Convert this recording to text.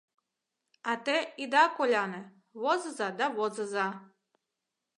— А те ида коляне, возыза да возыза!